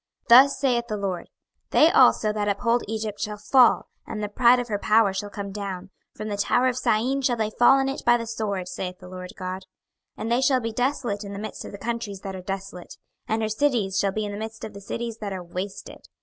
26:030:006 Thus saith the LORD; They also that uphold Egypt shall fall; and the pride of her power shall come down: from the tower of Syene shall they fall in it by the sword, saith the Lord GOD. 26:030:007 And they shall be desolate in the midst of the countries that are desolate, and her cities shall be in the midst of the cities that are wasted.